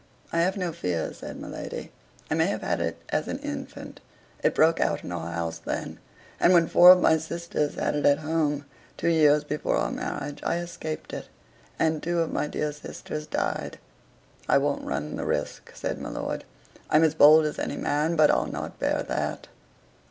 "I have no fear," said my lady; "I may have had it as an infant: it broke out in our house then; and when four of my sisters had it at home, two years before our marriage, I escaped it, and two of my dear sisters died." "I won't run the risk," said my lord; "I'm as bold as any man, but I'll not bear that."